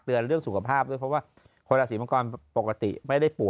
เตือนเรื่องสุขภาพด้วยเพราะว่าคนราศีมันก่อนปกติไม่ได้